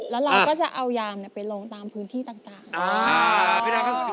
แล้วเราก็จะเอายามไปลงตามพื้นที่ต่าง